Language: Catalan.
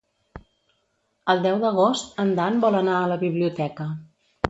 El deu d'agost en Dan vol anar a la biblioteca.